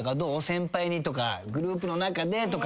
先輩にとかグループの中でとかあったりする？